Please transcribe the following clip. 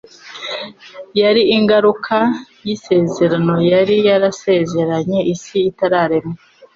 yari ingaruka y'isezerano yari yarasezeranye isi itararemwa.